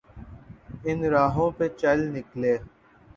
ان راہوں پہ چل نکلے۔